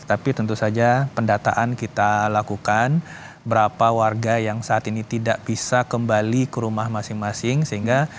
tapi tentu saja pendataan kita lakukan berapa warga yang saat ini tidak bisa kembali ke rumah masing masing